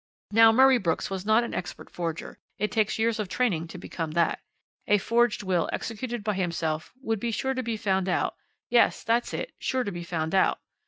"Now, Murray Brooks was not an expert forger, it takes years of training to become that. A forged will executed by himself would be sure to be found out yes, that's it, sure to be found out.